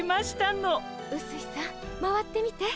うすいさん回ってみて。